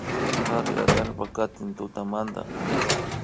Kari atallpa takik tutamanta